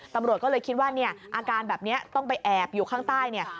ตำรวจก็เลยคิดว่าเนี่ยอาการแบบนี้ต้องไปแอบอยู่ข้างใต้เนี่ย